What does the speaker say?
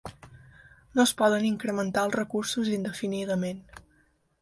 No es poden incrementar els recursos indefinidament.